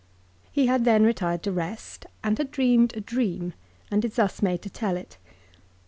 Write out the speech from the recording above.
He had then retired to rest, and had dreamed a dream, and is thus made to tell it.